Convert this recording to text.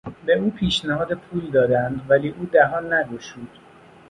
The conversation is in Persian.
به او پیشنهاد پول دادند ولی او دهان نگشود.